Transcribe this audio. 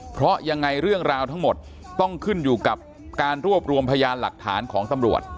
เพราะยังไงเรื่องราวทั้งหมดต้องขึ้นอยู่กับการรวบรวมพยานหลักฐานของตำรวจ